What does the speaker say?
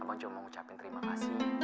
abang cuma mau ucapin terima kasih